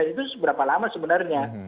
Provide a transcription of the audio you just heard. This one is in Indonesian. itu seberapa lama sebenarnya